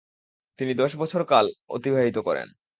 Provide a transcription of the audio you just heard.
তিনি দশ বছরকাল অতিবাহিত করেন।